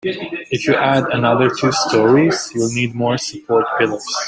If you add another two storeys, you'll need more support pillars.